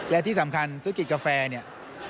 และที่สำคัญธุรกิจกาแฟเนี่ย